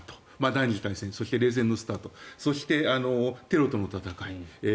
第２次大戦、冷戦のスタートそしてテロとの戦い